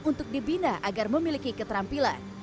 untuk dibina agar memiliki keterampilan